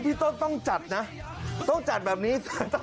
คุณจิตต้องจัดนะต้องจัดแบบนี้